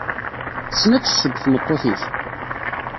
Tessen ad tesseww tmeṭṭut-ik?